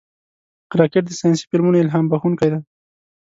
راکټ د ساینسي فلمونو الهام بښونکی دی